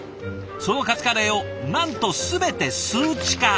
そのカツカレーをなんと全て数値化。